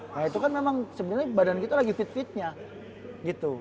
nah itu kan memang sebenarnya badan kita lagi fit fitnya gitu